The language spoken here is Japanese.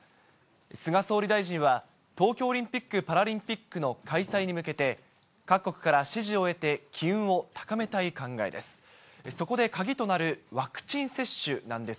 菅総理大臣は、東京オリンピック・パラリンピックの開催に向けて、各国から支持を得て機運を高めたい考えです。